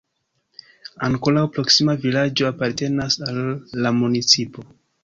Ankoraŭ proksima vilaĝo apartenas al la municipo.